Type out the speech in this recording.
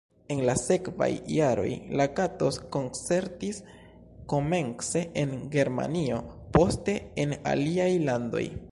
En la sekvaj jaroj Lakatos koncertis, komence en Germanio, poste en aliaj landoj.